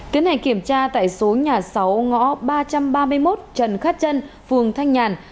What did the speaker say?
tiến hành kiểm tra tại số nhà sáu ngõ ba trăm ba mươi một trần khát trân phường thanh nhàn